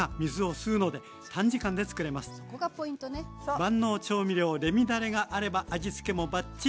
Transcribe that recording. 万能調味料レミだれがあれば味付けもバッチリ。